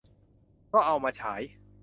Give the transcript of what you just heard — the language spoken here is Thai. ก็เอามาฉาย